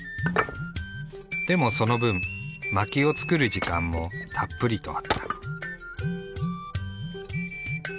でもその分薪を作る時間もたっぷりとあった。